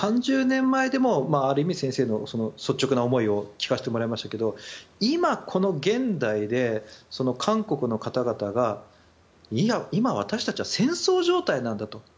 ３０年前でもある意味先生の率直な思いを聞かせてもらいましたけど今、この現代で韓国の方々が今、私たちは戦争状態なんだと。